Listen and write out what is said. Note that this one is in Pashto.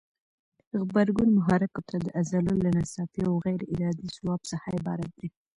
غبرګون محرکو ته د عضلو له ناڅاپي او غیر ارادي ځواب څخه عبارت دی.